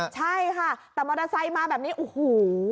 ใช่ค่ะแต่มอเตอร์ไซค์มาแบบนี้โอ้โห